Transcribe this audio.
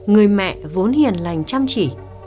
người mẹ vốn hiền lành chăm chỉ